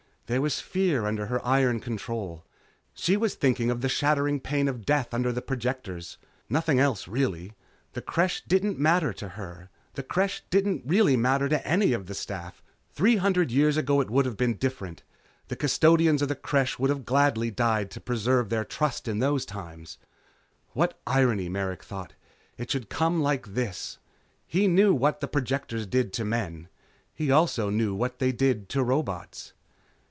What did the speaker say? There was fear under her iron control. She was thinking of the shattering pain of death under the projectors. Nothing else, really. The Creche didn't matter to her. The Creche didn't really matter to any of the staff. Three hundred years ago it would have been different. The custodians of the Creche would have gladly died to preserve their trust in those times.... What irony, Merrick thought, that it should come like this. He knew what the projectors did to men. He also knew what they did to robots.